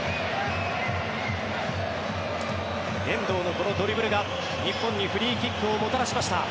遠藤のこのドリブルが日本にフリーキックをもたらしました。